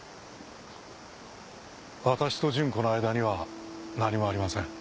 私と純子の間には何もありません。